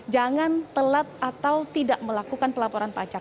jangan telat atau tidak melakukan pelaporan pajak